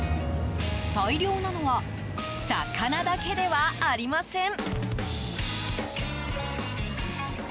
大漁なのは魚だけではありません。